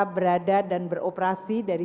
berada dan beroperasi dari